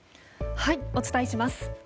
お伝えします。